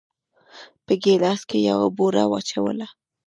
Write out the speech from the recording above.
په ګيلاس کې يې بوره واچوله.